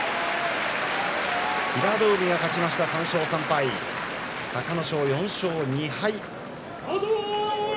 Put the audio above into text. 平戸海が勝って３勝３敗隆の勝、４勝２敗です。